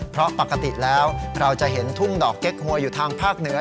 เพราะปกติแล้วเราจะเห็นทุ่งดอกเก๊กหวยอยู่ทางภาคเหนือ